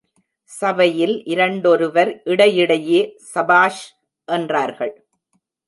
சபையில் இரண்டொருவர் இடையிடையே சபாஷ்! என்றார்கள்.